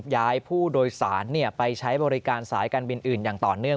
ย้ายผู้โดยสารไปใช้บริการสายการบินอื่นอย่างต่อเนื่อง